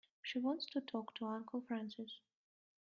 She wants to talk to Uncle Francis.